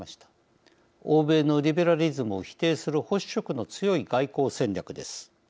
欧米のリベラリズムを否定する保守色の強い外交戦略です。